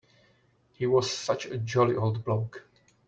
He was such a jolly old bloke.